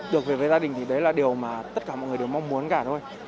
được về với gia đình thì đấy là điều mà tất cả mọi người đều mong muốn cả thôi